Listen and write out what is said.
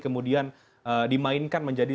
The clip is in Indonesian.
kemudian dimainkan menjadi